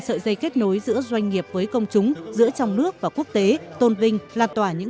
sợi dây kết nối giữa doanh nghiệp với công chúng giữa trong nước và quốc tế tôn vinh lan tỏa những